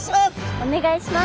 お願いします。